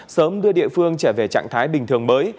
sớm đưa địa phương trở về trạng thái bình thường mới